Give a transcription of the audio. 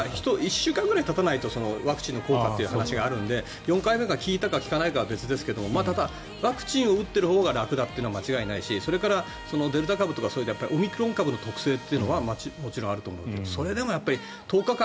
１週間ぐらいたたないとワクチンの効果がって話があるので効いたのかどうかは別ですがだけどワクチンを打っていたほうが楽だっていうのは間違いないしデルタ株とかオミクロン株の特性というのは差はあると思います。